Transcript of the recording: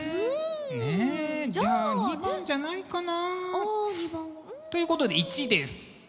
ねえじゃあ２番じゃないかな。ということで１です。